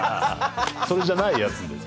それじゃないやつで。